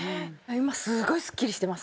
今すごいすっきりしてます。